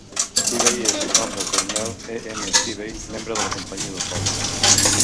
Spivey és el nom del coronel E. M. Spivey, membre de la companyia del poble.